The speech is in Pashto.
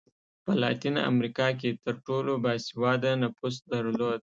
په لاتینه امریکا کې تر ټولو با سواده نفوس درلود.